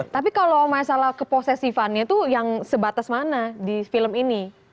tapi kalau masalah keposesifannya itu yang sebatas mana di film ini